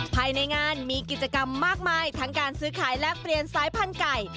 ภายในงานมีกิจกรรมมากมายทั้งการซื้อขายแลกเปลี่ยนสายพันธุ์ไก่